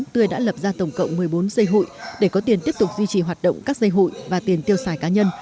tươi đã lập ra tổng cộng một mươi bốn dây hụi để có tiền tiếp tục duy trì hoạt động các dây hụi và tiền tiêu xài cá nhân